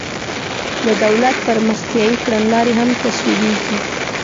د دولت پرمختیایي کړنلارې هم تصویبیږي.